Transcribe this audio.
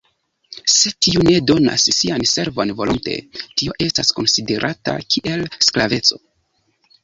Se tiu ne donas sian servon volonte, tio estas konsiderata kiel sklaveco.